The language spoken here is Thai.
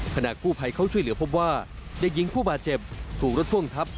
ขณะกู้ภัยเขาช่วยเหลือพบว่าเด็กหญิงผู้บาดเจ็บถูกรถพ่วงทับ